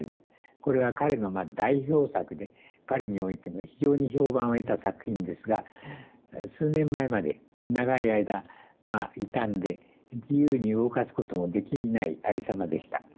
これは彼の代表作でパリにおいても非常に評判を得た作品ですが数年前まで長い間傷んで自由に動かすこともできないありさまでした。